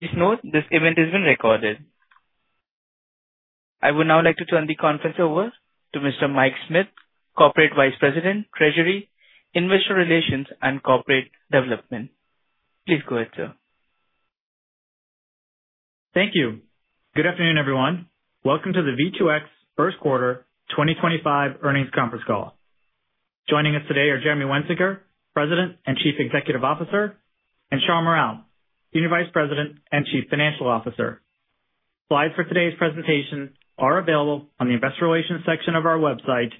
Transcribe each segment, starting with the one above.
Please note, this event has been recorded. I would now like to turn the conference over to Mr. Mike Smith, Corporate Vice President, Treasury, Investor Relations, and Corporate Development. Please go ahead, sir. Thank you. Good afternoon, everyone. Welcome to the V2X First Quarter 2025 Earnings Conference Call. Joining us today are Jeremy Wensinger, President and Chief Executive Officer, and Shawn Mural, Senior Vice President and Chief Financial Officer. Slides for today's presentation are available on the investor relations section of our website,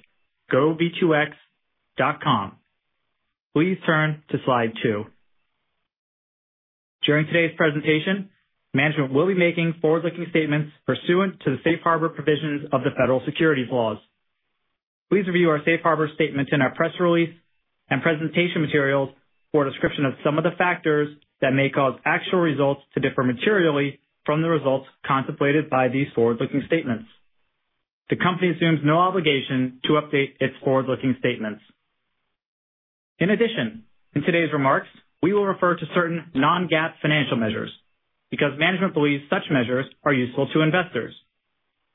gov2x.com. Please turn to slide two. During today's presentation, management will be making forward-looking statements pursuant to the safe harbor provisions of the federal securities laws. Please review our safe harbor statement in our press release and presentation materials for a description of some of the factors that may cause actual results to differ materially from the results contemplated by these forward-looking statements. The company assumes no obligation to update its forward-looking statements. In addition, in today's remarks, we will refer to certain non-GAAP financial measures because management believes such measures are useful to investors.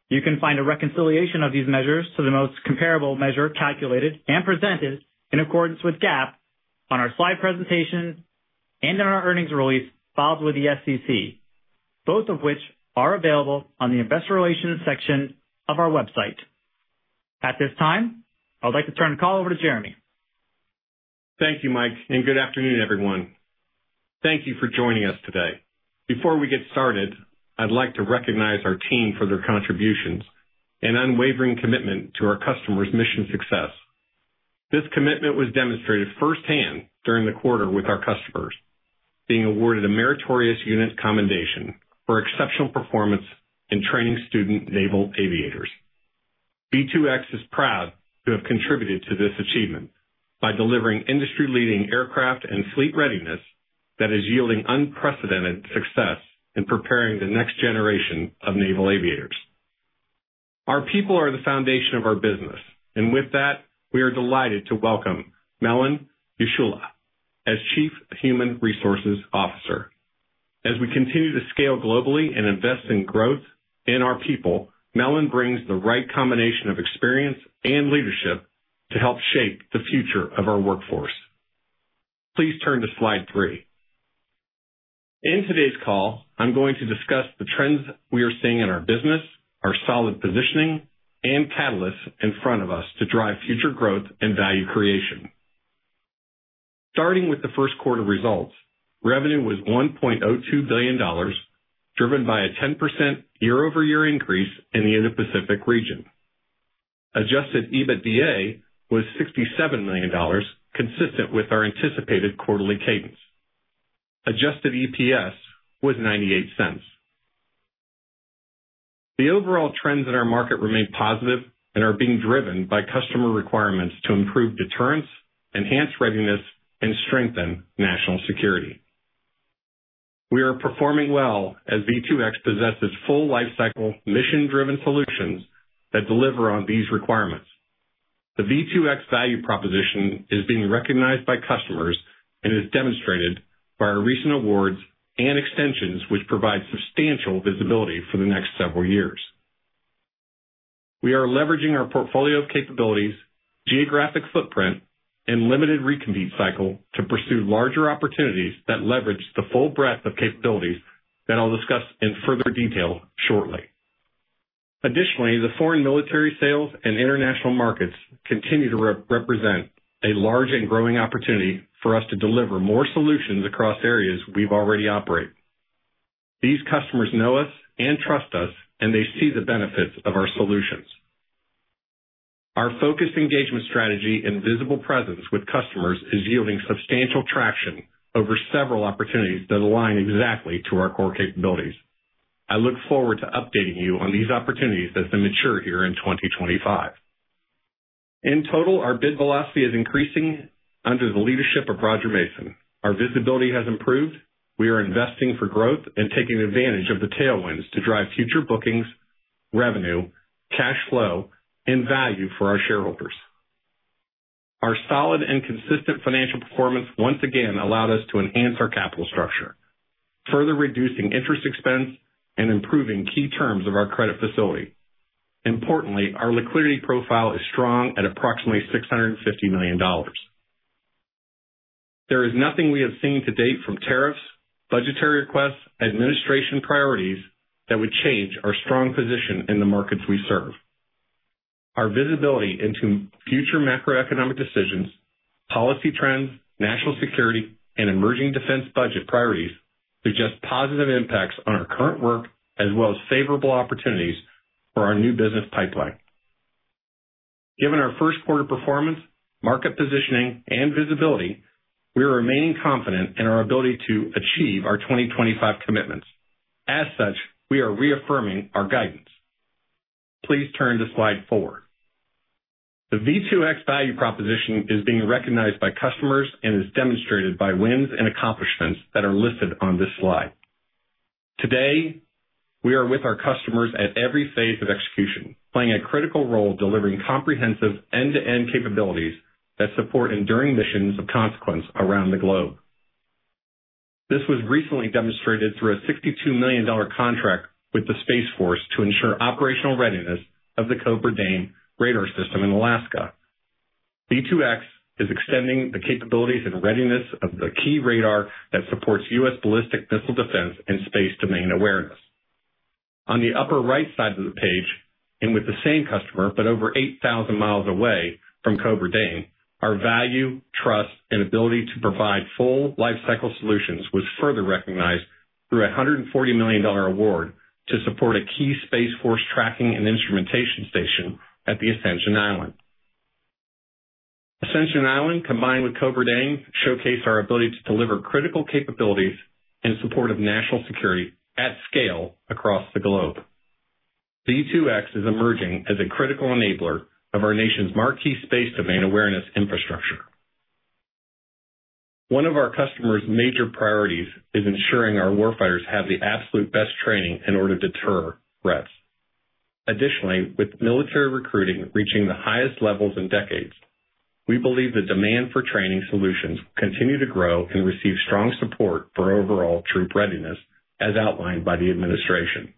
You can find a reconciliation of these measures to the most comparable measure calculated and presented in accordance with GAAP on our slide presentation and in our earnings release filed with the SEC, both of which are available on the Investor Relations section of our website. At this time, I would like to turn the call over to Jeremy. Thank you, Mike, and good afternoon, everyone. Thank you for joining us today. Before we get started, I'd like to recognize our team for their contributions and unwavering commitment to our customers' mission success. This commitment was demonstrated firsthand during the quarter with our customers, being awarded a Meritorious Unit Commendation for exceptional performance in training student naval aviators. V2X is proud to have contributed to this achievement by delivering industry-leading aircraft and fleet readiness that is yielding unprecedented success in preparing the next generation of naval aviators. Our people are the foundation of our business, and with that, we are delighted to welcome Melon Yeshoalul as Chief Human Resources Officer. As we continue to scale globally and invest in growth in our people, Melon brings the right combination of experience and leadership to help shape the future of our workforce. Please turn to slide three. In today's call, I'm going to discuss the trends we are seeing in our business, our solid positioning, and catalysts in front of us to drive future growth and value creation. Starting with the first quarter results, revenue was $1.02 billion, driven by a 10% year-over-year increase in the Indo-Pacific region. Adjusted EBITDA was $67 million, consistent with our anticipated quarterly cadence. Adjusted EPS was $0.98. The overall trends in our market remain positive and are being driven by customer requirements to improve deterrence, enhance readiness, and strengthen national security. We are performing well as V2X possesses full lifecycle mission-driven solutions that deliver on these requirements. The V2X value proposition is being recognized by customers and is demonstrated by our recent awards and extensions, which provide substantial visibility for the next several years. We are leveraging our portfolio of capabilities, geographic footprint, and limited recompete cycle to pursue larger opportunities that leverage the full breadth of capabilities that I'll discuss in further detail shortly. Additionally, the foreign military sales and international markets continue to represent a large and growing opportunity for us to deliver more solutions across areas we've already operated. These customers know us and trust us, and they see the benefits of our solutions. Our focused engagement strategy and visible presence with customers is yielding substantial traction over several opportunities that align exactly to our core capabilities. I look forward to updating you on these opportunities as they mature here in 2025. In total, our bid velocity is increasing under the leadership of Roger Mason. Our visibility has improved. We are investing for growth and taking advantage of the tailwinds to drive future bookings, revenue, cash flow, and value for our shareholders. Our solid and consistent financial performance once again allowed us to enhance our capital structure, further reducing interest expense and improving key terms of our credit facility. Importantly, our liquidity profile is strong at approximately $650 million. There is nothing we have seen to date from tariffs, budgetary requests, and administration priorities that would change our strong position in the markets we serve. Our visibility into future macroeconomic decisions, policy trends, national security, and emerging defense budget priorities suggest positive impacts on our current work as well as favorable opportunities for our new business pipeline. Given our first quarter performance, market positioning, and visibility, we are remaining confident in our ability to achieve our 2025 commitments. As such, we are reaffirming our guidance. Please turn to slide four. The V2X value proposition is being recognized by customers and is demonstrated by wins and accomplishments that are listed on this slide. Today, we are with our customers at every phase of execution, playing a critical role delivering comprehensive end-to-end capabilities that support enduring missions of consequence around the globe. This was recently demonstrated through a $62 million contract with the Space Force to ensure operational readiness of the COBRA DANE radar system in Alaska. V2X is extending the capabilities and readiness of the key radar that supports U.S. ballistic missile defense and space domain awareness. On the upper right side of the page, and with the same customer but over 8,000 miles away from COBRA DANE, our value, trust, and ability to provide full lifecycle solutions was further recognized through a $140 million award to support a key Space Force tracking and instrumentation station at Ascension Island. Ascension Island, combined with COBRA DANE, showcase our ability to deliver critical capabilities in support of national security at scale across the globe. V2X is emerging as a critical enabler of our nation's marquee space domain awareness infrastructure. One of our customers' major priorities is ensuring our warfighters have the absolute best training in order to deter threats. Additionally, with military recruiting reaching the highest levels in decades, we believe the demand for training solutions will continue to grow and receive strong support for overall troop readiness, as outlined by the administration.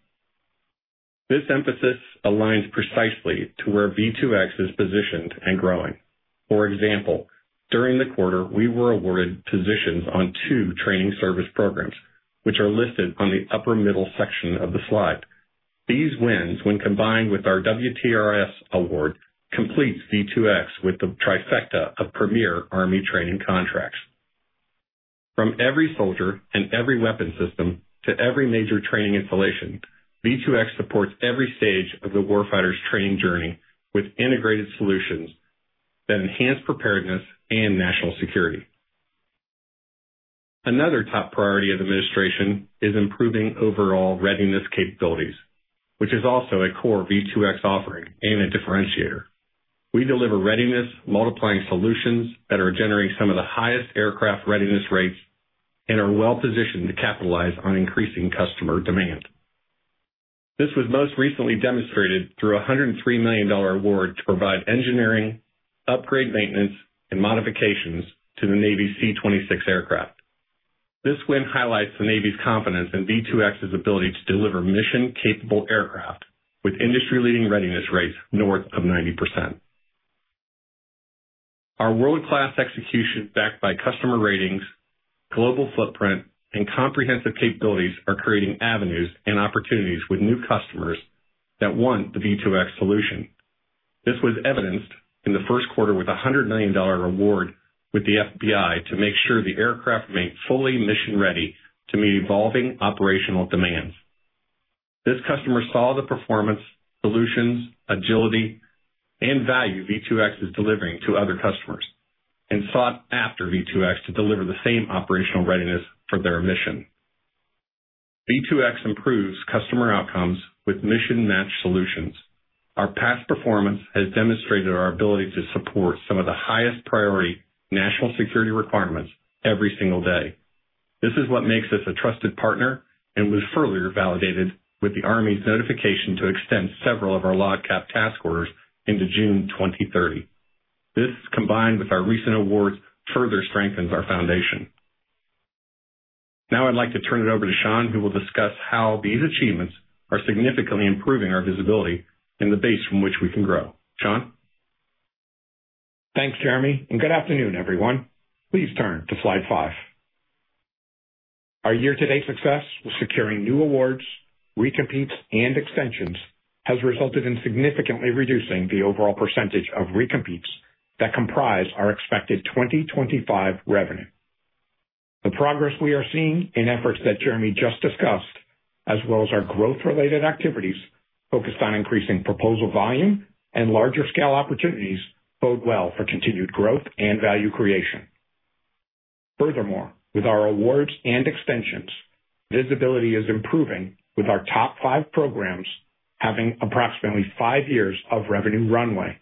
This emphasis aligns precisely to where V2X is positioned and growing. For example, during the quarter, we were awarded positions on two training service programs, which are listed on the upper middle section of the slide. These wins, when combined with our WTRS award, complete V2X with the trifecta of premier Army training contracts. From every soldier and every weapon system to every major training installation, V2X supports every stage of the warfighter's training journey with integrated solutions that enhance preparedness and national security. Another top priority of the administration is improving overall readiness capabilities, which is also a core V2X offering and a differentiator. We deliver readiness, multiplying solutions that are generating some of the highest aircraft readiness rates and are well-positioned to capitalize on increasing customer demand. This was most recently demonstrated through a $103 million award to provide engineering, upgrade maintenance, and modifications to the Navy's C-26 aircraft. This win highlights the Navy's confidence in V2X's ability to deliver mission-capable aircraft with industry-leading readiness rates north of 90%. Our world-class execution, backed by customer ratings, global footprint, and comprehensive capabilities, are creating avenues and opportunities with new customers that want the V2X solution. This was evidenced in the first quarter with a $100 million award with the FBI to make sure the aircraft remain fully mission-ready to meet evolving operational demands. This customer saw the performance, solutions, agility, and value V2X is delivering to other customers and sought after V2X to deliver the same operational readiness for their mission. V2X improves customer outcomes with mission-match solutions. Our past performance has demonstrated our ability to support some of the highest priority national security requirements every single day. This is what makes us a trusted partner and was further validated with the Army's notification to extend several of our LOGCAP task orders into June 2030. This, combined with our recent awards, further strengthens our foundation. Now, I'd like to turn it over to Shawn, who will discuss how these achievements are significantly improving our visibility and the base from which we can grow. Shawn? Thanks, Jeremy, and good afternoon, everyone. Please turn to slide five. Our year-to-date success with securing new awards, recompetes, and extensions has resulted in significantly reducing the overall percentage of recompetes that comprise our expected 2025 revenue. The progress we are seeing in efforts that Jeremy just discussed, as well as our growth-related activities focused on increasing proposal volume and larger-scale opportunities, bode well for continued growth and value creation. Furthermore, with our awards and extensions, visibility is improving with our top five programs having approximately five years of revenue runway.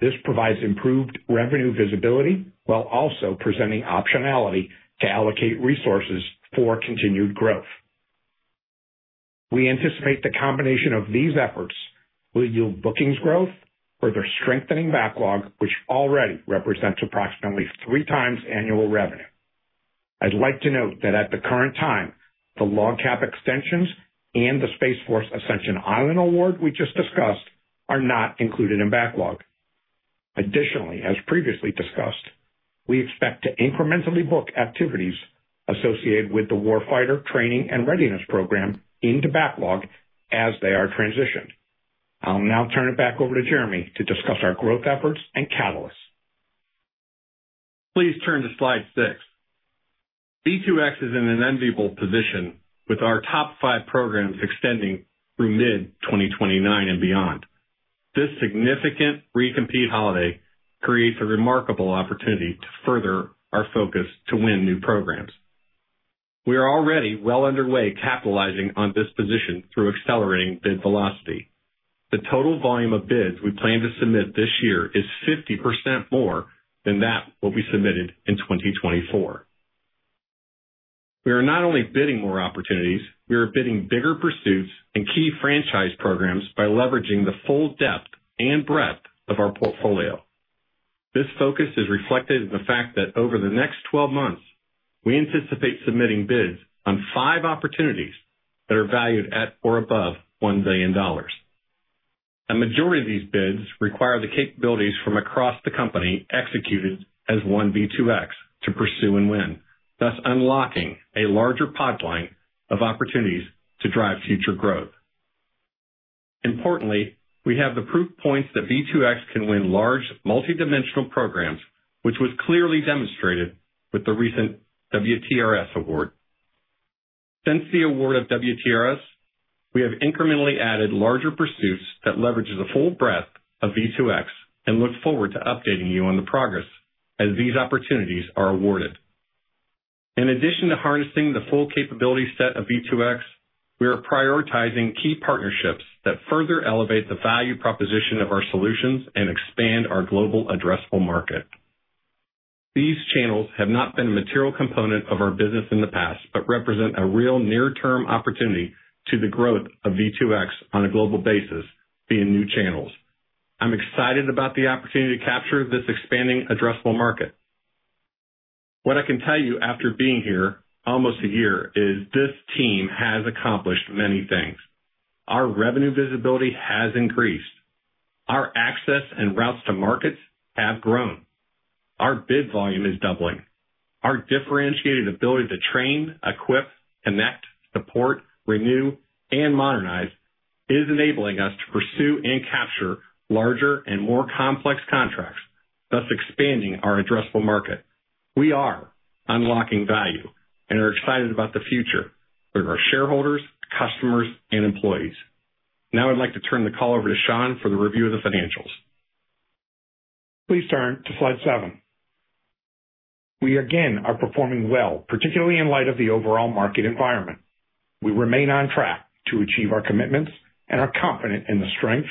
This provides improved revenue visibility while also presenting optionality to allocate resources for continued growth. We anticipate the combination of these efforts will yield bookings growth, further strengthening backlog, which already represents approximately three times annual revenue. I'd like to note that at the current time, the LOGCAP extensions and the Space Force Ascension Island award we just discussed are not included in backlog. Additionally, as previously discussed, we expect to incrementally book activities associated with the warfighter training and readiness program into the backlog as they are transitioned. I'll now turn it back over to Jeremy to discuss our growth efforts and catalysts. Please turn to slide six. V2X is in an unbeatable position with our top five programs extending through mid-2029 and beyond. This significant recompete holiday creates a remarkable opportunity to further our focus to win new programs. We are already well underway capitalizing on this position through accelerating bid velocity. The total volume of bids we plan to submit this year is 50% more than what we submitted in 2024. We are not only bidding more opportunities; we are bidding bigger pursuits and key franchise programs by leveraging the full depth and breadth of our portfolio. This focus is reflected in the fact that over the next 12 months, we anticipate submitting bids on five opportunities that are valued at or above $1 billion. A majority of these bids require the capabilities from across the company executed as one V2X to pursue and win, thus unlocking a larger pipeline of opportunities to drive future growth. Importantly, we have the proof points that V2X can win large multidimensional programs, which was clearly demonstrated with the recent WTRS award. Since the award of WTRS, we have incrementally added larger pursuits that leverage the full breadth of V2X and look forward to updating you on the progress as these opportunities are awarded. In addition to harnessing the full capability set of V2X, we are prioritizing key partnerships that further elevate the value proposition of our solutions and expand our global addressable market. These channels have not been a material component of our business in the past but represent a real near-term opportunity to the growth of V2X on a global basis via new channels. I'm excited about the opportunity to capture this expanding addressable market. What I can tell you after being here almost a year is this team has accomplished many things. Our revenue visibility has increased. Our access and routes to markets have grown. Our bid volume is doubling. Our differentiated ability to train, equip, connect, support, renew, and modernize is enabling us to pursue and capture larger and more complex contracts, thus expanding our addressable market. We are unlocking value and are excited about the future for our shareholders, customers, and employees. Now, I'd like to turn the call over to Shawn for the review of the financials. Please turn to slide seven. We again are performing well, particularly in light of the overall market environment. We remain on track to achieve our commitments and are confident in the strength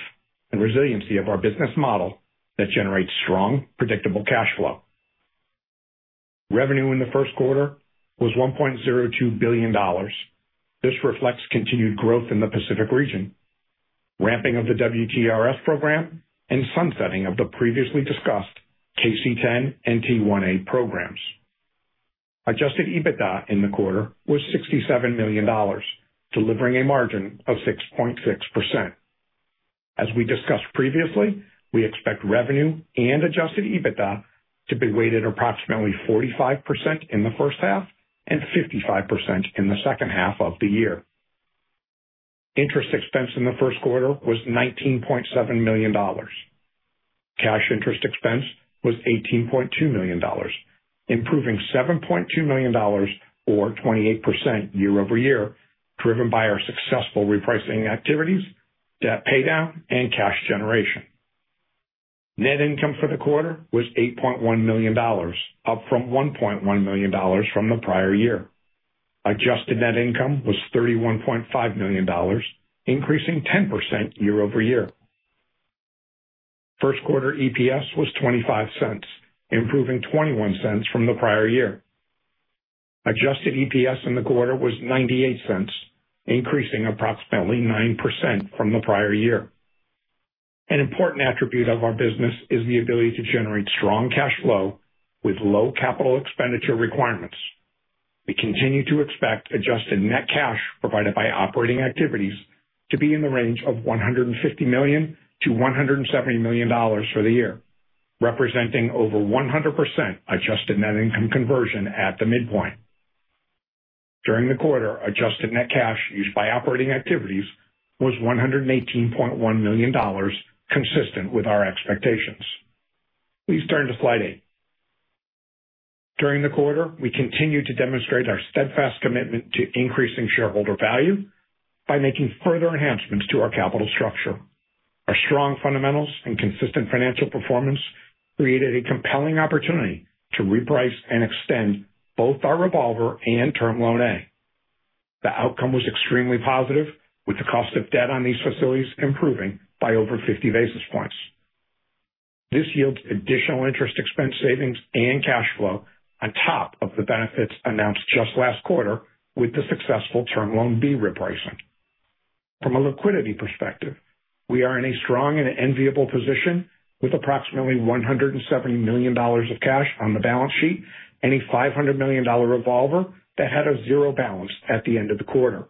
and resiliency of our business model that generates strong, predictable cash flow. Revenue in the first quarter was $1.02 billion. This reflects continued growth in the Pacific region, ramping of the WTRS program, and sunsetting of the previously discussed KC-10 and T1-A programs. Adjusted EBITDA in the quarter was $67 million, delivering a margin of 6.6%. As we discussed previously, we expect revenue and adjusted EBITDA to be weighted approximately 45% in the first half and 55% in the second half of the year. Interest expense in the first quarter was $19.7 million. Cash interest expense was $18.2 million, improving $7.2 million or 28% year-over-year, driven by our successful repricing activities, debt paydown, and cash generation. Net income for the quarter was $8.1 million, up from $1.1 million from the prior year. Adjusted net income was $31.5 million, increasing 10% year-over-year. First quarter EPS was $0.25, improving $0.21 from the prior year. Adjusted EPS in the quarter was $0.98, increasing approximately 9% from the prior year. An important attribute of our business is the ability to generate strong cash flow with low capital expenditure requirements. We continue to expect adjusted net cash provided by operating activities to be in the range of $150 million-$170 million for the year, representing over 100% adjusted net income conversion at the midpoint. During the quarter, adjusted net cash used by operating activities was $118.1 million, consistent with our expectations. Please turn to slide eight. During the quarter, we continue to demonstrate our steadfast commitment to increasing shareholder value by making further enhancements to our capital structure. Our strong fundamentals and consistent financial performance created a compelling opportunity to reprice and extend both our revolver and term loan A. The outcome was extremely positive, with the cost of debt on these facilities improving by over 50 basis points. This yields additional interest expense savings and cash flow on top of the benefits announced just last quarter with the successful term loan B repricing. From a liquidity perspective, we are in a strong and enviable position with approximately $170 million of cash on the balance sheet and a $500 million revolver that had a zero balance at the end of the quarter.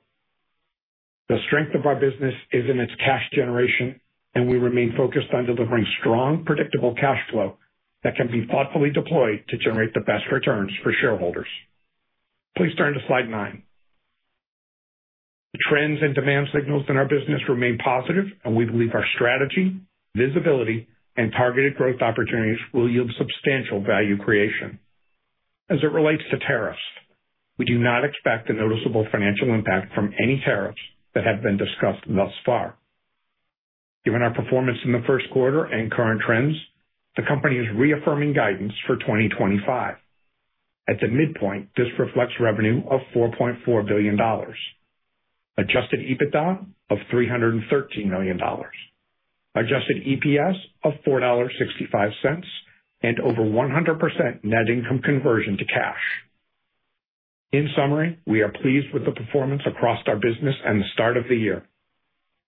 The strength of our business is in its cash generation, and we remain focused on delivering strong, predictable cash flow that can be thoughtfully deployed to generate the best returns for shareholders. Please turn to slide nine. The trends and demand signals in our business remain positive, and we believe our strategy, visibility, and targeted growth opportunities will yield substantial value creation. As it relates to tariffs, we do not expect a noticeable financial impact from any tariffs that have been discussed thus far. Given our performance in the first quarter and current trends, the company is reaffirming guidance for 2025. At the midpoint, this reflects revenue of $4.4 billion, adjusted EBITDA of $313 million, adjusted EPS of $4.65, and over 100% net income conversion to cash. In summary, we are pleased with the performance across our business and the start of the year.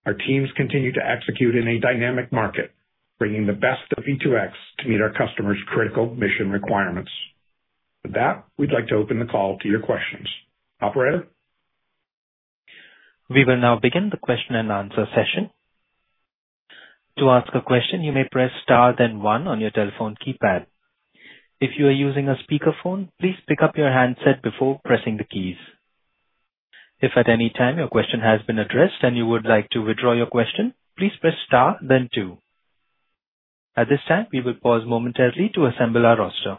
Our teams continue to execute in a dynamic market, bringing the best of V2X to meet our customers' critical mission requirements. With that, we'd like to open the call to your questions. Operator. We will now begin the question and answer session. To ask a question, you may press star then one on your telephone keypad. If you are using a speakerphone, please pick up your handset before pressing the keys. If at any time your question has been addressed and you would like to withdraw your question, please press star then two. At this time, we will pause momentarily to assemble our roster.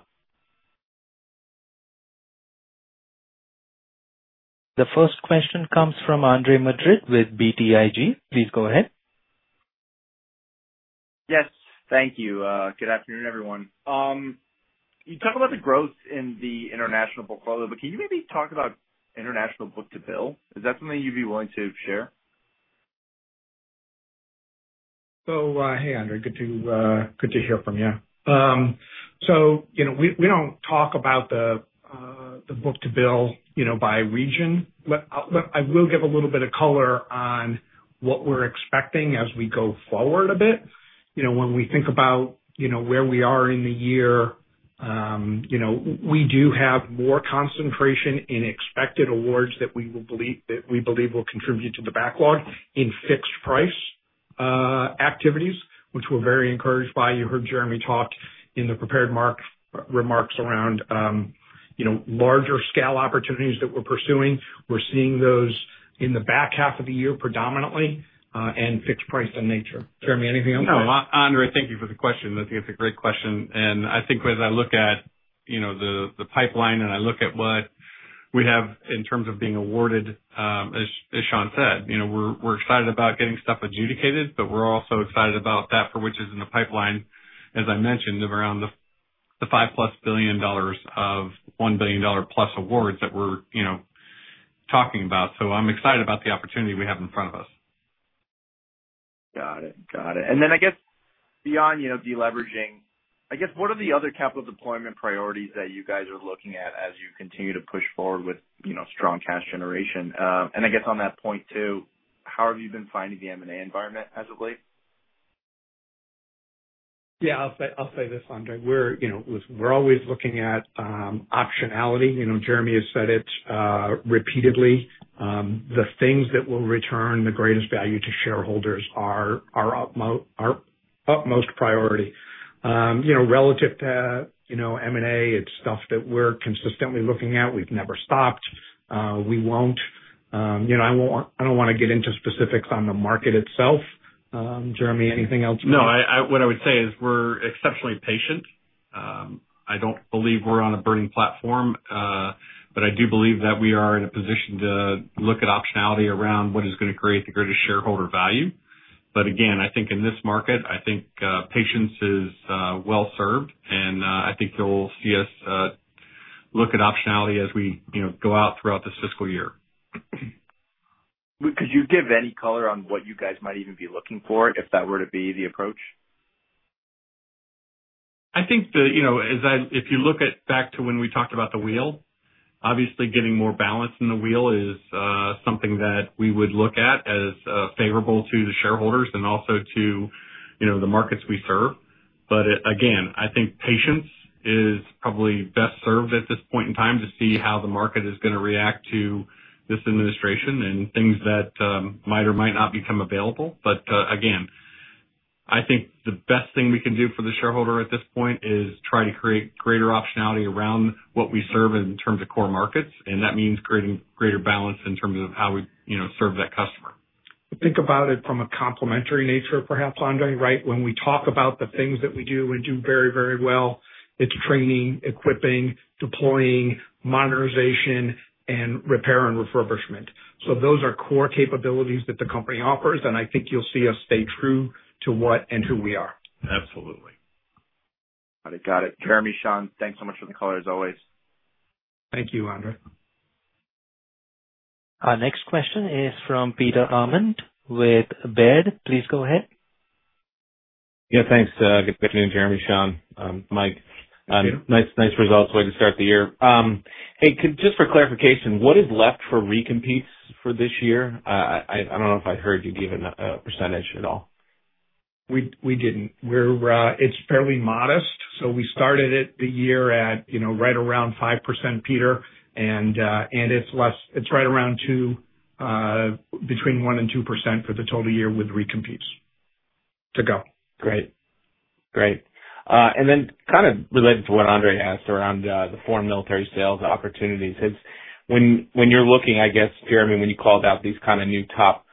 The first question comes from Andre Madrid with BTIG. Please go ahead. Yes. Thank you. Good afternoon, everyone. You talk about the growth in the international portfolio, but can you maybe talk about international book to bill? Is that something you'd be willing to share? Hey, Andre. Good to hear from you. We don't talk about the book to bill by region. I will give a little bit of color on what we're expecting as we go forward a bit. When we think about where we are in the year, we do have more concentration in expected awards that we believe will contribute to the backlog in fixed price activities, which we're very encouraged by. You heard Jeremy talk in the prepared remarks around larger-scale opportunities that we're pursuing. We're seeing those in the back half of the year predominantly and fixed price in nature. Jeremy, anything else? No, Andre, thank you for the question. I think it's a great question. I think as I look at the pipeline and I look at what we have in terms of being awarded, as Shawn said, we're excited about getting stuff adjudicated, but we're also excited about that for which is in the pipeline, as I mentioned, of around the $5 billion + of $1 billion + awards that we're talking about. I am excited about the opportunity we have in front of us. Got it. Got it. I guess beyond deleveraging, I guess what are the other capital deployment priorities that you guys are looking at as you continue to push forward with strong cash generation? I guess on that point too, how have you been finding the M&A environment as of late? Yeah. I'll say this, Andre. We're always looking at optionality. Jeremy has said it repeatedly. The things that will return the greatest value to shareholders are our utmost priority. Relative to M&A, it's stuff that we're consistently looking at. We've never stopped. We won't. I don't want to get into specifics on the market itself. Jeremy, anything else? No, what I would say is we're exceptionally patient. I don't believe we're on a burning platform, but I do believe that we are in a position to look at optionality around what is going to create the greatest shareholder value. Again, I think in this market, I think patience is well served, and I think you'll see us look at optionality as we go out throughout this fiscal year. Could you give any color on what you guys might even be looking for if that were to be the approach? I think if you look back to when we talked about the wheel, obviously getting more balance in the wheel is something that we would look at as favorable to the shareholders and also to the markets we serve. I think patience is probably best served at this point in time to see how the market is going to react to this administration and things that might or might not become available. I think the best thing we can do for the shareholder at this point is try to create greater optionality around what we serve in terms of core markets, and that means creating greater balance in terms of how we serve that customer. Think about it from a complementary nature, perhaps, Andre, right? When we talk about the things that we do and do very, very well, it's training, equipping, deploying, modernization, and repair and refurbishment. Those are core capabilities that the company offers, and I think you'll see us stay true to what and who we are. Absolutely. Got it. Got it. Jeremy, Shawn, thanks so much for the color as always. Thank you, Andre. Our next question is from Peter Arment with Baird. Please go ahead. Yeah. Thanks. Good afternoon, Jeremy, Shawn, Mike. Nice results, way to start the year. Hey, just for clarification, what is left for recompetes for this year? I do not know if I heard you give a percentage at all. We didn't. It's fairly modest. We started the year at right around 5%, Peter, and it's right around between 1-2% for the total year with recompetes to go. Great. Great. Kind of related to what Andre asked around the foreign military sales opportunities, when you're looking, I guess, Jeremy, when you call out these kind of new top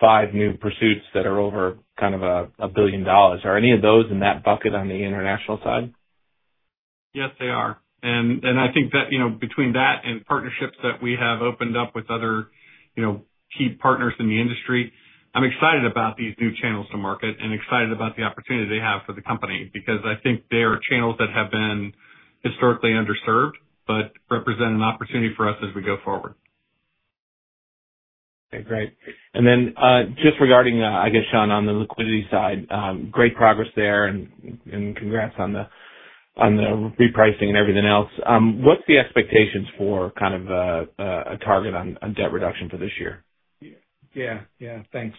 five new pursuits that are over kind of a billion dollars, are any of those in that bucket on the international side? Yes, they are. I think that between that and partnerships that we have opened up with other key partners in the industry, I'm excited about these new channels to market and excited about the opportunity they have for the company because I think they are channels that have been historically underserved but represent an opportunity for us as we go forward. Okay. Great. Just regarding, I guess, Shawn, on the liquidity side, great progress there and congrats on the repricing and everything else. What's the expectations for kind of a target on debt reduction for this year? Yeah. Yeah. Thanks.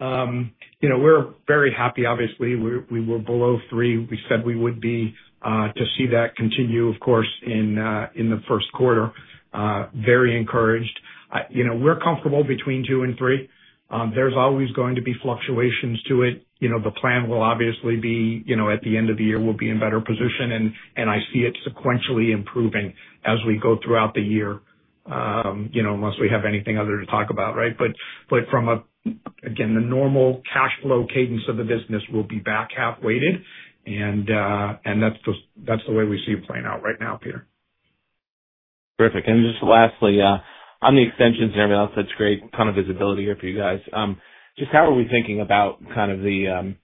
We're very happy, obviously. We were below three. We said we would be to see that continue, of course, in the first quarter. Very encouraged. We're comfortable between two and three. There's always going to be fluctuations to it. The plan will obviously be at the end of the year, we'll be in better position, and I see it sequentially improving as we go throughout the year unless we have anything other to talk about, right? From, again, the normal cash flow cadence of the business, we'll be back half-weighted, and that's the way we see it playing out right now, Peter. Terrific. Just lastly, on the extensions and everything else, that's great kind of visibility here for you guys. Just how are we thinking about kind of the,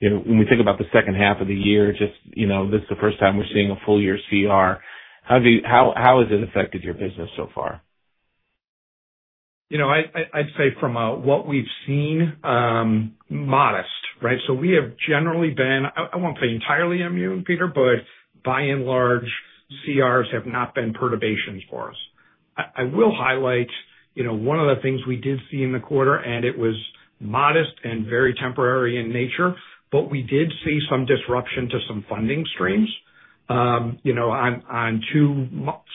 when we think about the second half of the year, just this is the first time we're seeing a full-year CR. How has it affected your business so far? I'd say from what we've seen, modest, right? We have generally been, I won't say entirely immune, Peter, but by and large, CRs have not been perturbations for us. I will highlight one of the things we did see in the quarter, and it was modest and very temporary in nature, but we did see some disruption to some funding streams. On two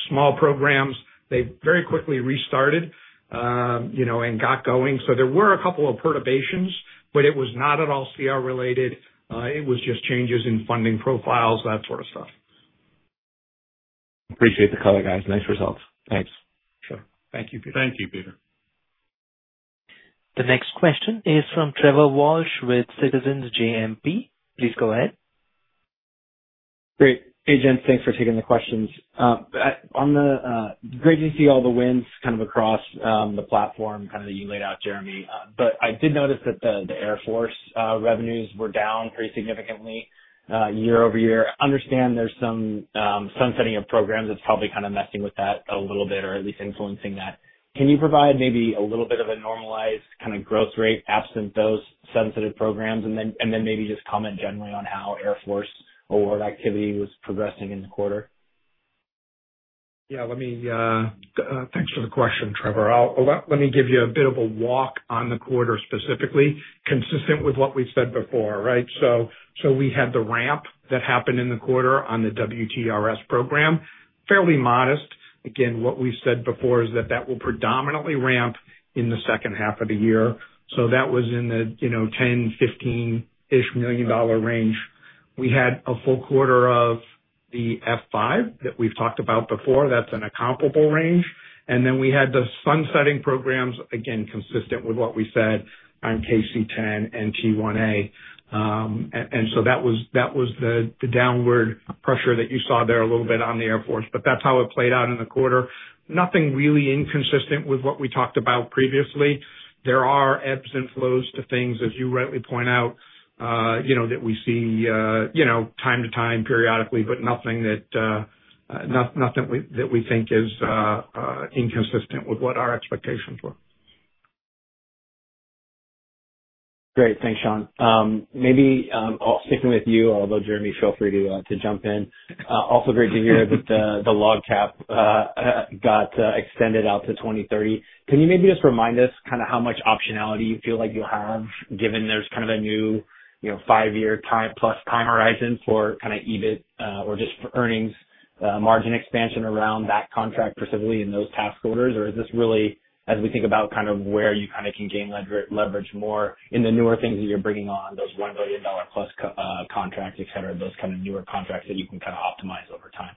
small programs, they very quickly restarted and got going. There were a couple of perturbations, but it was not at all CR-related. It was just changes in funding profiles, that sort of stuff. Appreciate the color, guys. Nice results. Thanks. Sure. Thank you, Peter. Thank you, Peter. The next question is from Trevor Walsh with Citizens JMP. Please go ahead. Great. Hey, gents. Thanks for taking the questions. Great to see all the wins kind of across the platform kind of that you laid out, Jeremy. I did notice that the Air Force revenues were down pretty significantly year over year. I understand there's some sunsetting of programs that's probably kind of messing with that a little bit or at least influencing that. Can you provide maybe a little bit of a normalized kind of growth rate absent those sunsetted programs and then maybe just comment generally on how Air Force award activity was progressing in the quarter? Yeah. Thanks for the question, Trevor. Let me give you a bit of a walk on the quarter specifically, consistent with what we said before, right? We had the ramp that happened in the quarter on the WTRS program, fairly modest. Again, what we said before is that that will predominantly ramp in the second half of the year. That was in the $10 million-$15 million range. We had a full quarter of the F5 that we've talked about before. That's an accountable range. We had the sunsetting programs, again, consistent with what we said on KC-10 and T-1A. That was the downward pressure that you saw there a little bit on the Air Force, but that's how it played out in the quarter. Nothing really inconsistent with what we talked about previously. There are ebbs and flows to things, as you rightly point out, that we see time to time, periodically, but nothing that we think is inconsistent with what our expectations were. Great. Thanks, Shawn. Maybe sticking with you, although Jeremy, feel free to jump in. Also great to hear that the LOGCAP got extended out to 2030. Can you maybe just remind us kind of how much optionality you feel like you'll have given there's kind of a new five-year-plus time horizon for kind of EBIT or just for earnings margin expansion around that contract specifically in those task orders? Or is this really, as we think about kind of where you kind of can gain leverage more in the newer things that you're bringing on, those $1 billion + contracts, etc., those kind of newer contracts that you can kind of optimize over time?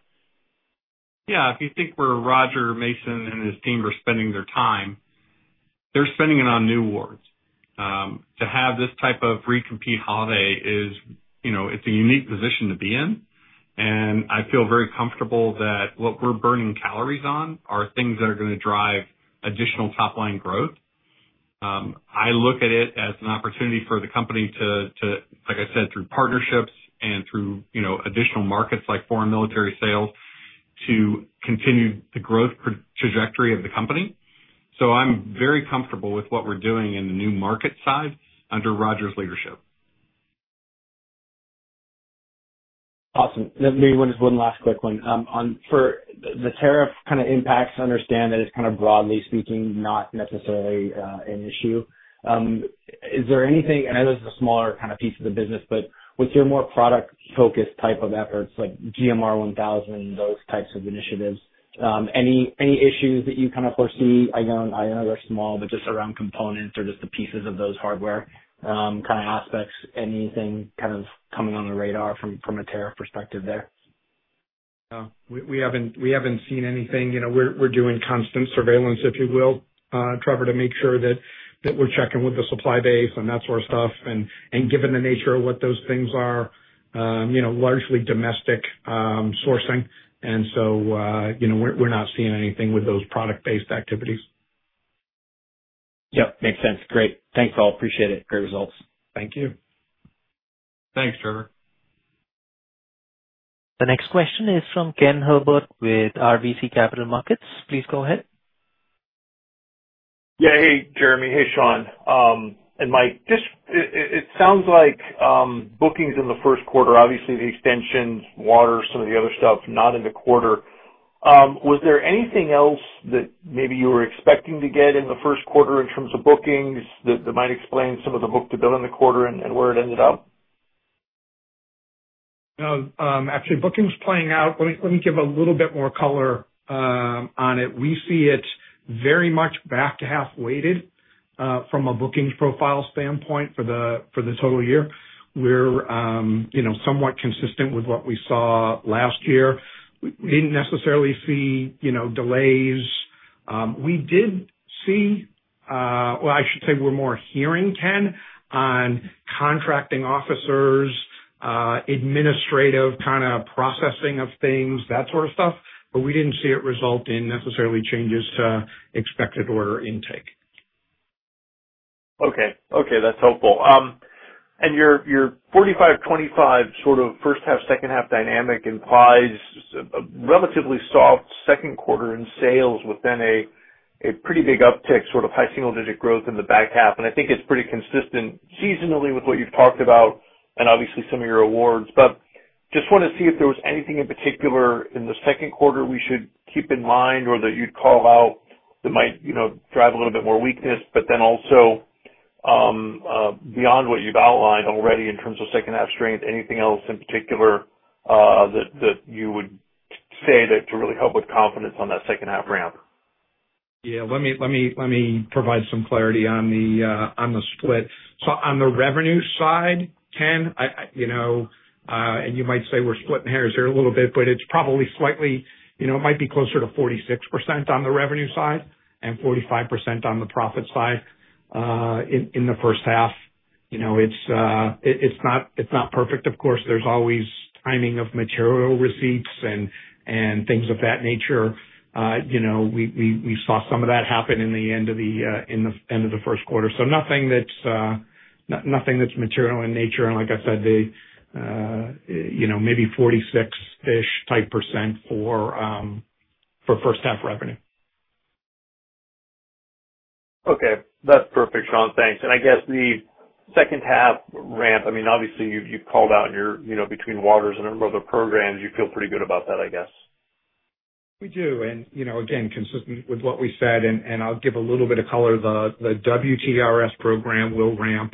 Yeah. If you think where Roger Mason and his team are spending their time, they're spending it on new awards. To have this type of recompete holiday, it's a unique position to be in. I feel very comfortable that what we're burning calories on are things that are going to drive additional top-line growth. I look at it as an opportunity for the company to, like I said, through partnerships and through additional markets like foreign military sales, to continue the growth trajectory of the company. I am very comfortable with what we're doing in the new market side under Roger's leadership. Awesome. Maybe just one last quick one. For the tariff kind of impacts, understand that it's kind of broadly speaking, not necessarily an issue. Is there anything—I know this is a smaller kind of piece of the business—but with your more product-focused type of efforts like GMR1000, those types of initiatives, any issues that you kind of foresee? I know they're small, but just around components or just the pieces of those hardware kind of aspects, anything kind of coming on the radar from a tariff perspective there? We haven't seen anything. We're doing constant surveillance, if you will, Trevor, to make sure that we're checking with the supply base and that sort of stuff. Given the nature of what those things are, largely domestic sourcing. We're not seeing anything with those product-based activities. Yep. Makes sense. Great. Thanks, all. Appreciate it. Great results. Thank you. Thanks, Trevor. The next question is from Ken Herbert with RBC Capital Markets. Please go ahead. Yeah. Hey, Jeremy. Hey, Shawn and Mike. It sounds like bookings in the first quarter, obviously the extensions, water, some of the other stuff, not in the quarter. Was there anything else that maybe you were expecting to get in the first quarter in terms of bookings that might explain some of the book-to-bill in the quarter and where it ended up? Actually, bookings playing out, let me give a little bit more color on it. We see it very much back-to-half weighted from a bookings profile standpoint for the total year. We're somewhat consistent with what we saw last year. We didn't necessarily see delays. I should say we're more hearing, Ken, on contracting officers, administrative kind of processing of things, that sort of stuff. We didn't see it result in necessarily changes to expected order intake. Okay. Okay. That's helpful. Your 45/25 sort of first-half, second-half dynamic implies a relatively soft second quarter in sales with a pretty big uptick, sort of high single-digit growth in the back half. I think it's pretty consistent seasonally with what you've talked about and obviously some of your awards. I just want to see if there was anything in particular in the second quarter we should keep in mind or that you'd call out that might drive a little bit more weakness. Also, beyond what you've outlined already in terms of second-half strength, anything else in particular that you would say to really help with confidence on that second-half ramp? Yeah. Let me provide some clarity on the split. On the revenue side, Ken, and you might say we're splitting hairs here a little bit, but it's probably slightly—it might be closer to 46% on the revenue side and 45% on the profit side in the first half. It's not perfect, of course. There's always timing of material receipts and things of that nature. We saw some of that happen in the end of the first quarter. Nothing that's material in nature. Like I said, maybe 46%-ish type percent for first-half revenue. Okay. That's perfect, Shawn. Thanks. I guess the second-half ramp, I mean, obviously you've called out in your between WTRS and other programs, you feel pretty good about that, I guess. We do. Again, consistent with what we said, and I'll give a little bit of color, the WTRS program will ramp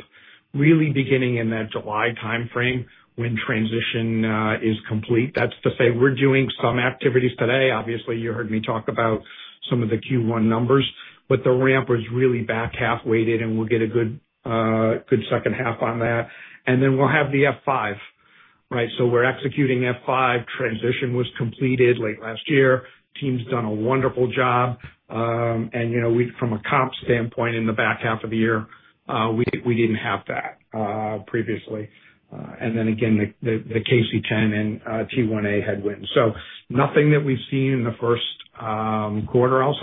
really beginning in that July timeframe when transition is complete. That's to say we're doing some activities today. Obviously, you heard me talk about some of the Q1 numbers, but the ramp was really back-half weighted, and we'll get a good second half on that. We'll have the F5, right? We're executing F5. Transition was completed late last year. Team's done a wonderful job. From a comp standpoint, in the back half of the year, we didn't have that previously. The KC-10 and T-1A had win. Nothing that we've seen in the first quarter, I'll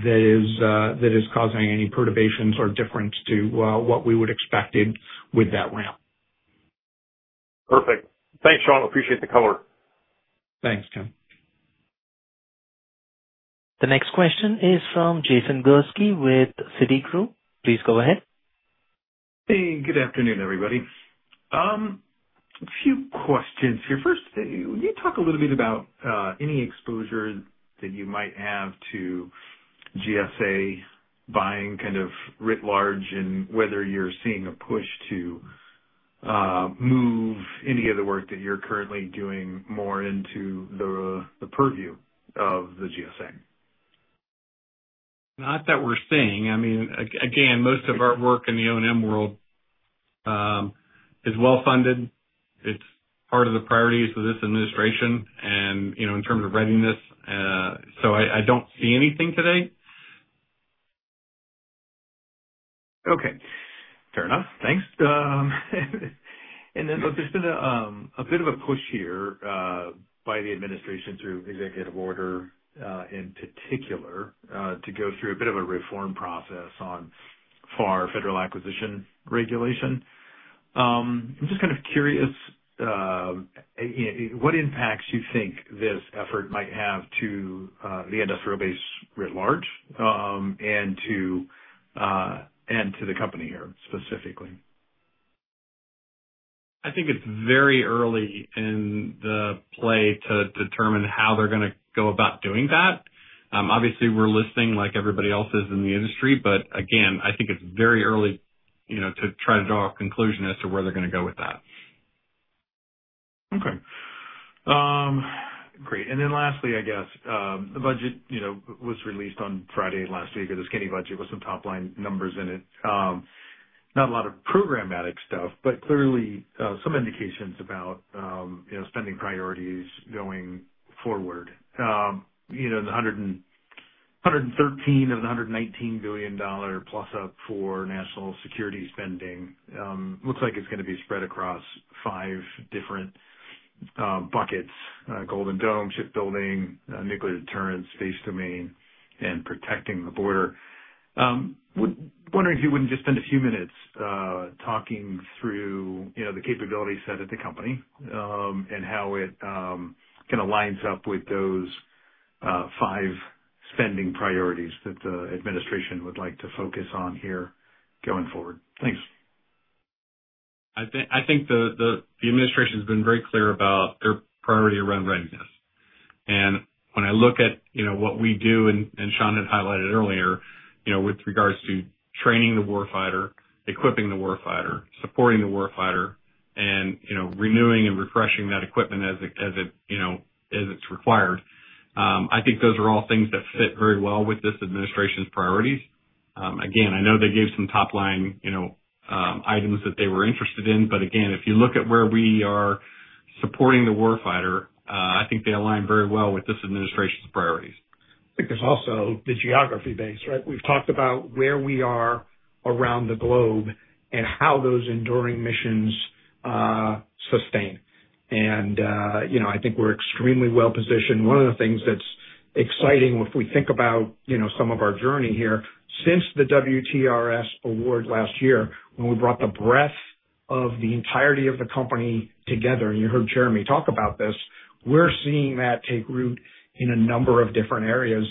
say, is causing any perturbations or difference to what we would have expected with that ramp. Perfect. Thanks, Shawn. Appreciate the color. Thanks, Ken. The next question is from Jason Gursky with Citigroup. Please go ahead. Hey, good afternoon, everybody. A few questions here. First, can you talk a little bit about any exposure that you might have to GSA buying kind of writ large and whether you're seeing a push to move any of the work that you're currently doing more into the purview of the GSA? Not that we're seeing. I mean, again, most of our work in the O&M world is well-funded. It's part of the priorities of this administration and in terms of readiness. So I don't see anything today. Okay. Fair enough. Thanks. There has been a bit of a push here by the administration through executive order in particular to go through a bit of a reform process on FAR, Federal Acquisition Regulation. I'm just kind of curious what impacts you think this effort might have to the industrial base writ large and to the company here specifically. I think it's very early in the play to determine how they're going to go about doing that. Obviously, we're listening like everybody else is in the industry, but again, I think it's very early to try to draw a conclusion as to where they're going to go with that. Okay. Great. Lastly, I guess, the budget was released on Friday last week, or the skinny budget with some top-line numbers in it. Not a lot of programmatic stuff, but clearly some indications about spending priorities going forward. The $113 billion of the $119 billion plus up for national security spending looks like it's going to be spread across five different buckets: Golden Dome, shipbuilding, nuclear deterrence, space domain, and protecting the border. Wondering if you would just spend a few minutes talking through the capability set at the company and how it kind of lines up with those five spending priorities that the administration would like to focus on here going forward. Thanks. I think the administration has been very clear about their priority around readiness. When I look at what we do, and Shawn had highlighted earlier, with regards to training the warfighter, equipping the warfighter, supporting the warfighter, and renewing and refreshing that equipment as it's required, I think those are all things that fit very well with this administration's priorities. I know they gave some top-line items that they were interested in, but if you look at where we are supporting the warfighter, I think they align very well with this administration's priorities. I think there's also the geography base, right? We've talked about where we are around the globe and how those enduring missions sustain. I think we're extremely well-positioned. One of the things that's exciting if we think about some of our journey here, since the WTRS award last year, when we brought the breadth of the entirety of the company together, and you heard Jeremy talk about this, we're seeing that take root in a number of different areas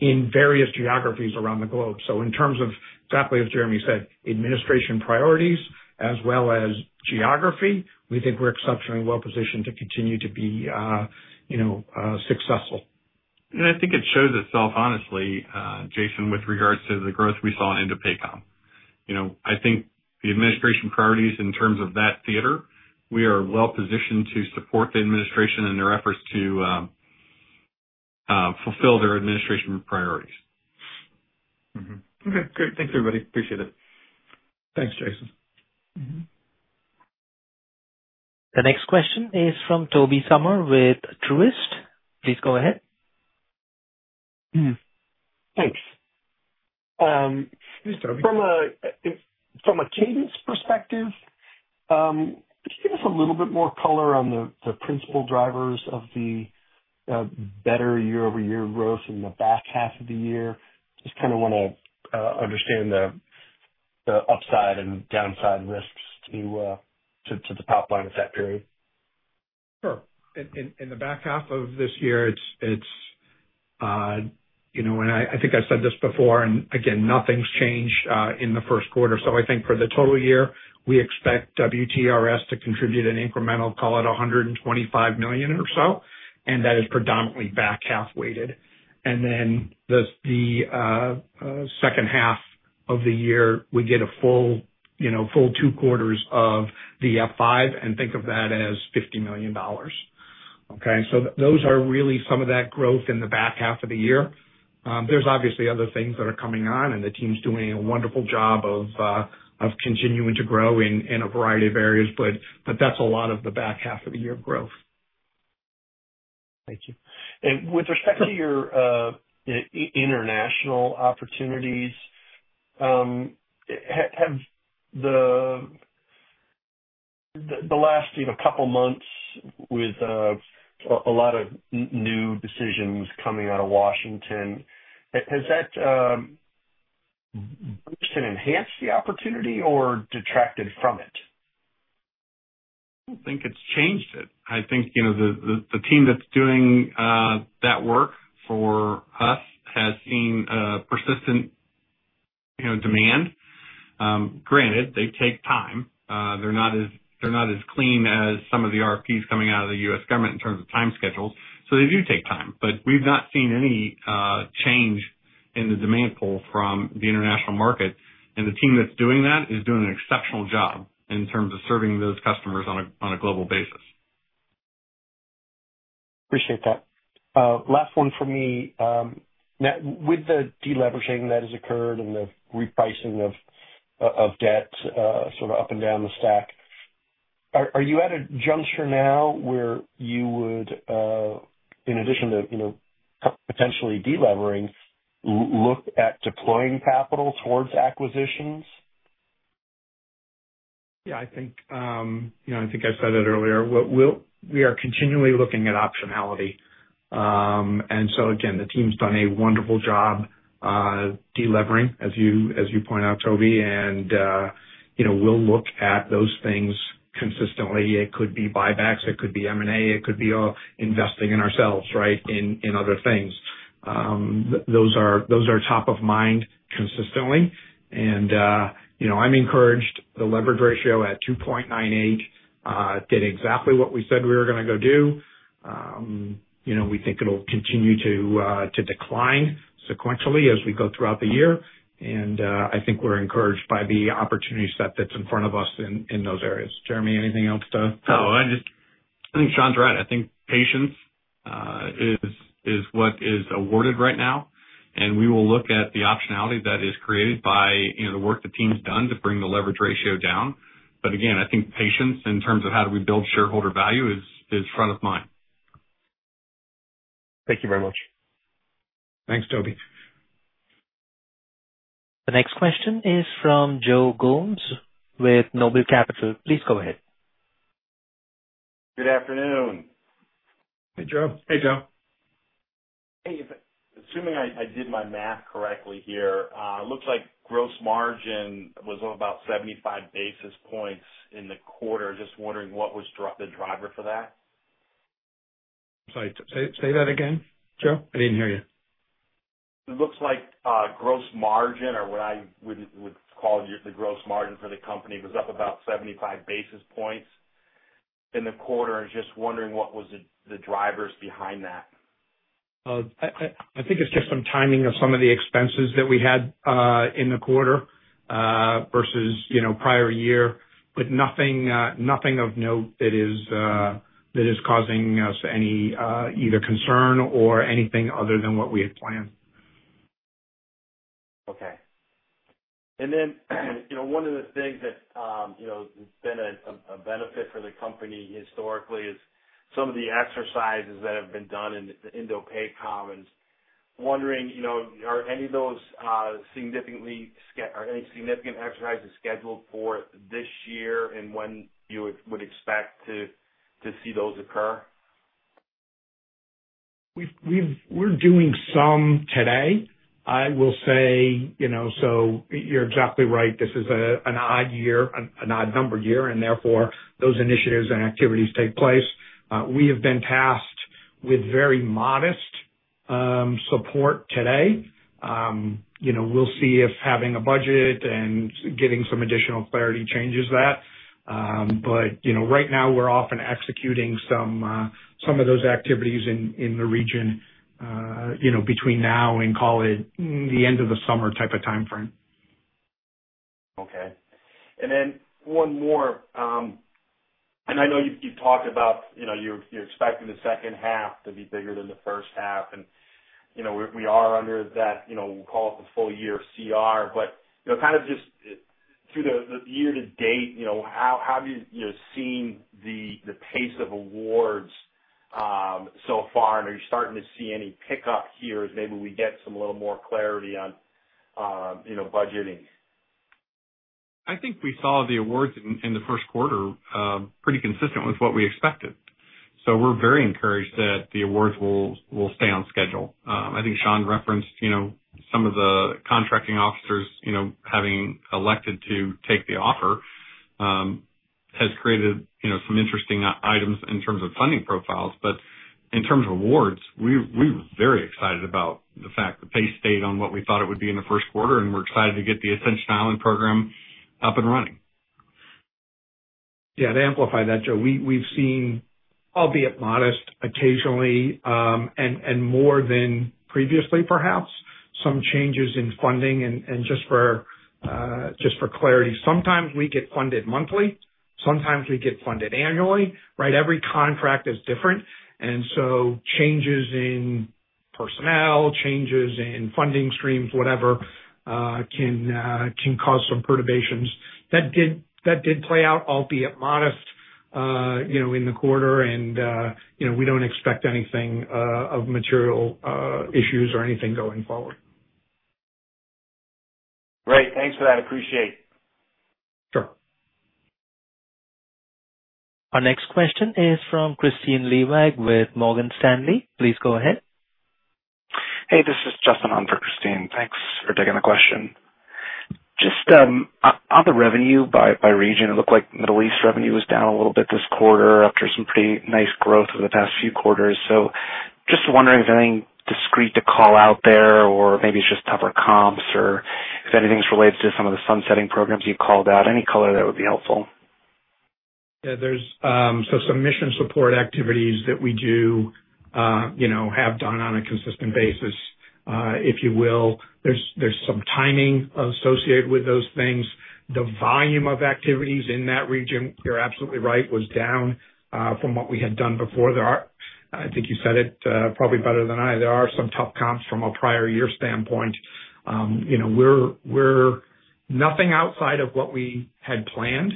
in various geographies around the globe. In terms of exactly as Jeremy said, administration priorities as well as geography, we think we're exceptionally well-positioned to continue to be successful. I think it shows itself, honestly, Jason, with regards to the growth we saw in Indo-Pacific. I think the administration priorities in terms of that theater, we are well-positioned to support the administration and their efforts to fulfill their administration priorities. Okay. Great. Thanks, everybody. Appreciate it. Thanks, Jason. The next question is from Tobey Sommer with Truist. Please go ahead. Thanks. From a cadence perspective, could you give us a little bit more color on the principal drivers of the better year-over-year growth in the back half of the year? Just kind of want to understand the upside and downside risks to the top line of that period. Sure. In the back half of this year, it's—and I think I've said this before, and again, nothing's changed in the first quarter. I think for the total year, we expect WTRS to contribute an incremental, call it $125 million or so, and that is predominantly back-half weighted. In the second half of the year, we get a full two quarters of the F5 and think of that as $50 million. Okay? Those are really some of that growth in the back half of the year. There's obviously other things that are coming on, and the team's doing a wonderful job of continuing to grow in a variety of areas, but that's a lot of the back half of the year growth. Thank you. With respect to your international opportunities, the last couple of months with a lot of new decisions coming out of Washington, has that boosted and enhanced the opportunity or detracted from it? I don't think it's changed it. I think the team that's doing that work for us has seen persistent demand. Granted, they take time. They're not as clean as some of the RFPs coming out of the U.S. government in terms of time schedules. They do take time. We've not seen any change in the demand pool from the international market. The team that's doing that is doing an exceptional job in terms of serving those customers on a global basis. Appreciate that. Last one for me. With the deleveraging that has occurred and the repricing of debt sort of up and down the stack, are you at a juncture now where you would, in addition to potentially deleveraging, look at deploying capital towards acquisitions? Yeah. I think I've said it earlier. We are continually looking at optionality. The team's done a wonderful job delivering, as you point out, Tobey. We look at those things consistently. It could be buybacks. It could be M&A. It could be investing in ourselves, right, in other things. Those are top of mind consistently. I'm encouraged. The leverage ratio at 2.98 did exactly what we said we were going to go do. We think it'll continue to decline sequentially as we go throughout the year. I think we're encouraged by the opportunity set that's in front of us in those areas. Jeremy, anything else to? Oh, I think Shawn's right. I think patience is what is awarded right now. We will look at the optionality that is created by the work the team's done to bring the leverage ratio down. I think patience in terms of how do we build shareholder value is front of mind. Thank you very much. Thanks, Tobey. The next question is from Joe Gomes with NOBLE Capital. Please go ahead. Good afternoon. Hey, Joe. Hey, Joe. Hey. Assuming I did my math correctly here, it looks like gross margin was about 75 basis points in the quarter. Just wondering what was the driver for that? I'm sorry. Say that again, Joe? I didn't hear you. It looks like gross margin, or what I would call the gross margin for the company, was up about 75 basis points in the quarter. I am just wondering what was the drivers behind that? I think it's just some timing of some of the expenses that we had in the quarter versus prior year, but nothing of note that is causing us any either concern or anything other than what we had planned. Okay. One of the things that has been a benefit for the company historically is some of the exercises that have been done in the Indo-Pacific. Wondering, are any of those significantly or any significant exercises scheduled for this year and when you would expect to see those occur? We're doing some today. I will say, you're exactly right. This is an odd year, an odd-numbered year, and therefore those initiatives and activities take place. We have been tasked with very modest support today. We'll see if having a budget and getting some additional clarity changes that. Right now, we're off and executing some of those activities in the region between now and, call it, the end of the summer type of timeframe. Okay. One more. I know you've talked about you're expecting the second half to be bigger than the first half. We are under that, we'll call it the full-year CR, but kind of just through the year to date, how have you seen the pace of awards so far? Are you starting to see any pickup here as maybe we get some a little more clarity on budgeting? I think we saw the awards in the first quarter pretty consistent with what we expected. We are very encouraged that the awards will stay on schedule. I think Shawn referenced some of the contracting officers having elected to take the offer has created some interesting items in terms of funding profiles. In terms of awards, we were very excited about the fact that they stayed on what we thought it would be in the first quarter, and we are excited to get the Ascension Island program up and running. Yeah. To amplify that, Joe, we've seen, albeit modest, occasionally and more than previously, perhaps, some changes in funding. Just for clarity, sometimes we get funded monthly. Sometimes we get funded annually, right? Every contract is different. Changes in personnel, changes in funding streams, whatever, can cause some perturbations. That did play out, albeit modest, in the quarter, and we don't expect anything of material issues or anything going forward. Great. Thanks for that. Appreciate it. Sure. Our next question is from Kristine Liwag with Morgan Stanley. Please go ahead. Hey, this is Justin on for Kristine. Thanks for taking the question. Just on the revenue by region, it looked like Middle East revenue was down a little bit this quarter after some pretty nice growth over the past few quarters. Just wondering if anything discrete to call out there or maybe it's just tougher comps or if anything's related to some of the sunsetting programs you called out. Any color that would be helpful? Yeah. Some mission support activities that we do have done on a consistent basis, if you will. There's some timing associated with those things. The volume of activities in that region, you're absolutely right, was down from what we had done before. I think you said it probably better than I. There are some tough comps from a prior year standpoint. Nothing outside of what we had planned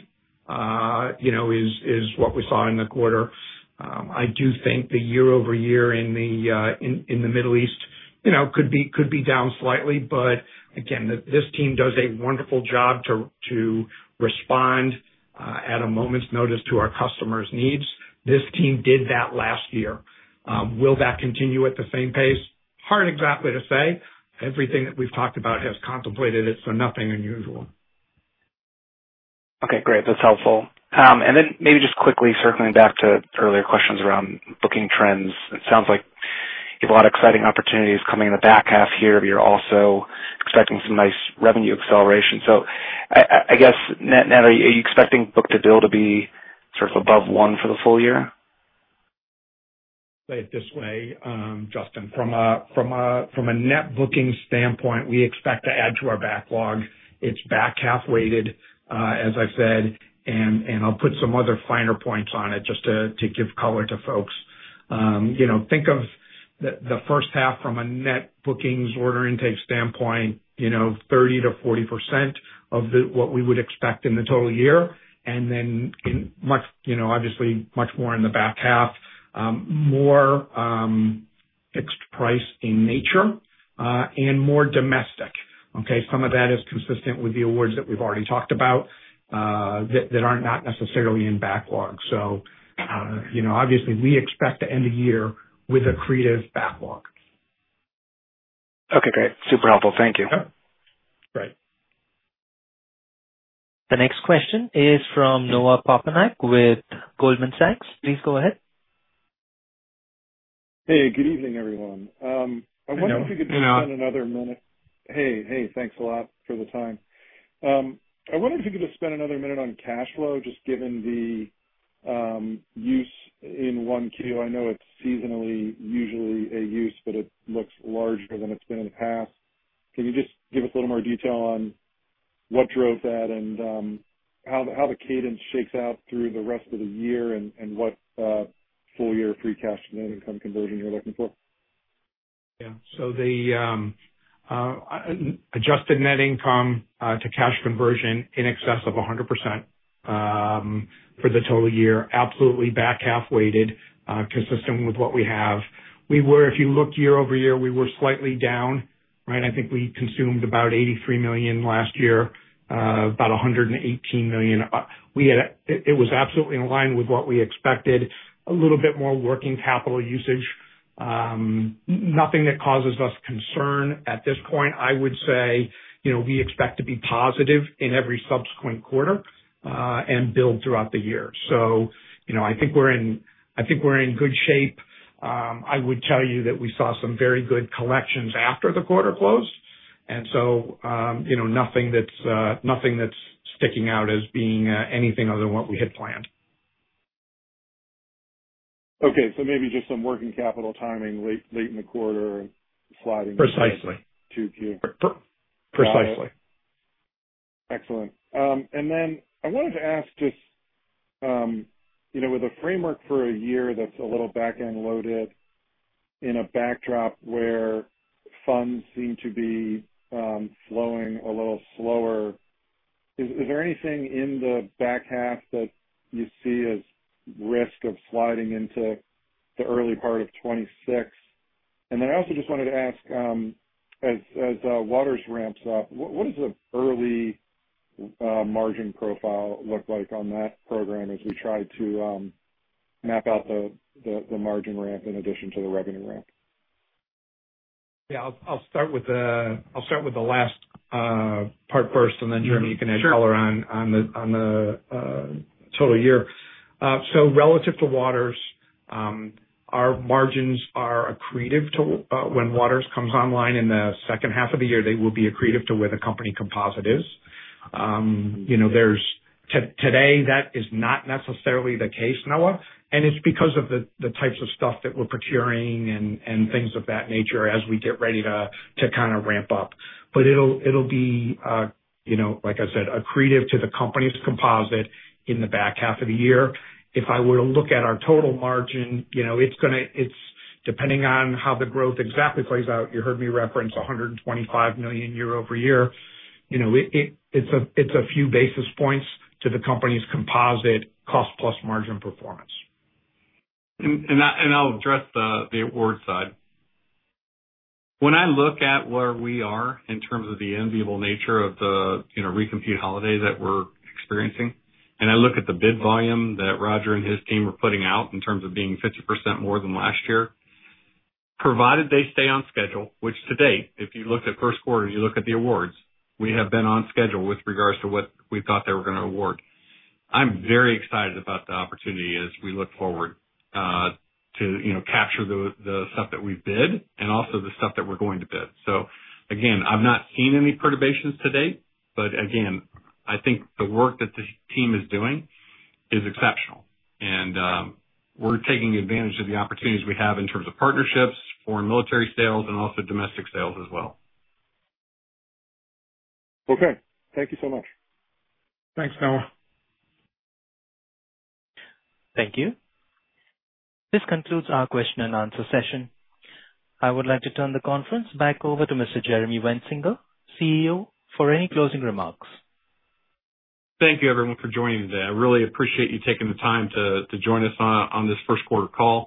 is what we saw in the quarter. I do think the year-over-year in the Middle East could be down slightly. Again, this team does a wonderful job to respond at a moment's notice to our customers' needs. This team did that last year. Will that continue at the same pace? Hard exactly to say. Everything that we've talked about has contemplated it, so nothing unusual. Okay. Great. That's helpful. Maybe just quickly circling back to earlier questions around booking trends. It sounds like you have a lot of exciting opportunities coming in the back half here, but you're also expecting some nice revenue acceleration. I guess, Ned, are you expecting book-to-bill to be sort of above one for the full year? Say it this way, Justin. From a net booking standpoint, we expect to add to our backlog. It's back-half weighted, as I've said. I'll put some other finer points on it just to give color to folks. Think of the first half from a net bookings order intake standpoint, 30%-40% of what we would expect in the total year, and then obviously much more in the back half, more fixed price in nature and more domestic. Okay? Some of that is consistent with the awards that we've already talked about that aren't necessarily in backlog. Obviously, we expect to end the year with a creative backlog. Okay. Great. Super helpful. Thank you. Great. The next question is from Noah Poponak with Goldman Sachs. Please go ahead. Hey. Good evening, everyone. I wonder if you could spend another minute. Hey. Hey. Thanks a lot for the time. I wonder if you could just spend another minute on cash flow, just given the use in one Q. I know it's seasonally, usually a use, but it looks larger than it's been in the past. Can you just give us a little more detail on what drove that and how the cadence shakes out through the rest of the year and what full-year free cash net income conversion you're looking for? Yeah. Adjusted net income to cash conversion in excess of 100% for the total year. Absolutely back-half weighted, consistent with what we have. If you look year-over-year, we were slightly down, right? I think we consumed about $83 million last year, about $118 million. It was absolutely in line with what we expected. A little bit more working capital usage. Nothing that causes us concern at this point. I would say we expect to be positive in every subsequent quarter and build throughout the year. I think we're in good shape. I would tell you that we saw some very good collections after the quarter closed. Nothing that's sticking out as being anything other than what we had planned. Okay. Maybe just some working capital timing late in the quarter and sliding to Q. Precisely. Precisely. Excellent. I wanted to ask just with a framework for a year that's a little back-end loaded in a backdrop where funds seem to be flowing a little slower, is there anything in the back half that you see as risk of sliding into the early part of 2026? I also just wanted to ask, as WTRS ramps up, what does an early margin profile look like on that program as we try to map out the margin ramp in addition to the revenue ramp? Yeah. I'll start with the last part first, and then Jeremy, you can add color on the total year. Relative to Waters, our margins are accretive when Waters comes online in the second half of the year. They will be accretive to where the company composite is. Today, that is not necessarily the case, Noah. It's because of the types of stuff that we're procuring and things of that nature as we get ready to kind of ramp up. It'll be, like I said, accretive to the company's composite in the back half of the year. If I were to look at our total margin, it's depending on how the growth exactly plays out. You heard me reference $125 million year-over-year. It's a few basis points to the company's composite cost plus margin performance. I'll address the award side. When I look at where we are in terms of the enviable nature of the recompete holiday that we're experiencing, and I look at the bid volume that Roger and his team were putting out in terms of being 50% more than last year, provided they stay on schedule, which to date, if you looked at first quarter and you look at the awards, we have been on schedule with regards to what we thought they were going to award. I am very excited about the opportunity as we look forward to capture the stuff that we bid and also the stuff that we're going to bid. I have not seen any perturbations to date. I think the work that this team is doing is exceptional. We are taking advantage of the opportunities we have in terms of partnerships, foreign military sales, and also domestic sales as well. Okay. Thank you so much. Thanks, Noah. Thank you. This concludes our question and answer session. I would like to turn the conference back over to Mr. Jeremy Wensinger, CEO, for any closing remarks. Thank you, everyone, for joining today. I really appreciate you taking the time to join us on this first quarter call.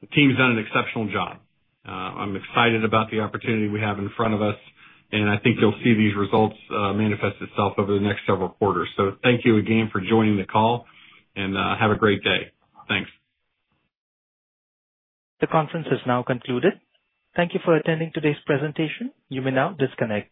The team's done an exceptional job. I'm excited about the opportunity we have in front of us, and I think you'll see these results manifest themselves over the next several quarters. Thank you again for joining the call, and have a great day. Thanks. The conference is now concluded. Thank you for attending today's presentation. You may now disconnect.